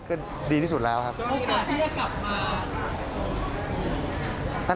คือดีที่สุดแล้วครับ